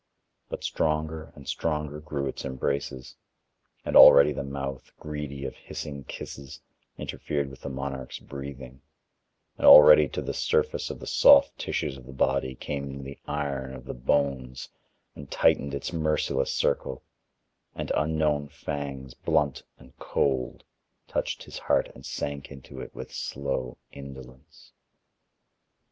But stronger and stronger grew its embraces, and already the mouth, greedy of hissing kisses, interfered with the monarch's breathing, and already to the surface of the soft tissues of the body came the iron of the bones and tightened its merciless circle, and unknown fangs, blunt and cold, touched his heart and sank into it with slow indolence.